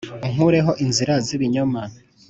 Unkureho inzira zibinyoma